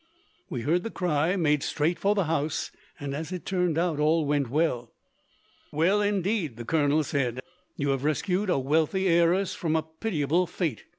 We heard the cry, made straight for the house, and, as it turned out, all went well." "Well, indeed," the colonel said. "You have rescued a wealthy heiress from a pitiable fate.